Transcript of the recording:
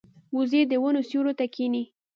وزې د ونو سیوري ته کیني